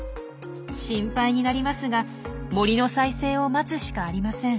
心配になりますが森の再生を待つしかありません。